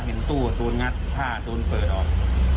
เห็นตู้กับตัวงัดผ้าตัวนเปิดออก